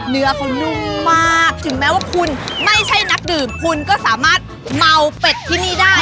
เนื้อเขานุ่มมากถึงแม้ว่าคุณไม่ใช่นักดื่มคุณก็สามารถเมาเป็ดที่นี่ได้